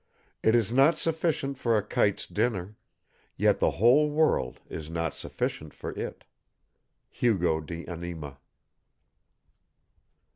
It is not sufficient for a kite's dinner, yet the whole world is not sufficient for it." HUGO DE ANIMA.